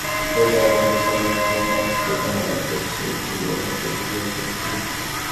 Saudi Arabia যেসব লক্ষ্যবস্তুতে হামলা করছে, সেগুলো সম্পর্কে গোয়েন্দা তথ্য দিচ্ছে।